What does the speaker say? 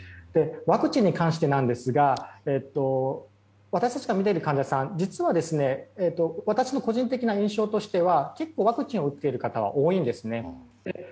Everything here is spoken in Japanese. ワクチンに関してですが私たちが見ている患者さんは実は、私の個人的な印象としては結構、ワクチンを打っている方は多いんです。